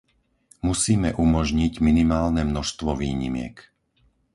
Musíme umožniť minimálne množstvo výnimiek.